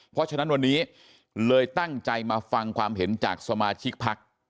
เพราะฉะนั้นวันนี้เลยตั้งใจมาฟังความเห็นจากสมาชิกพัก